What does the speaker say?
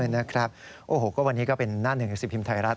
นะครับโอ้โหก็วันนี้ก็เป็นหน้าหนึ่งหนังสือพิมพ์ไทยรัฐ